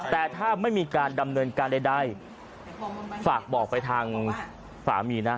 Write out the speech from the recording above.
แต่ถ้าไม่มีการดำเนินการใดฝากบอกไปทางสามีนะ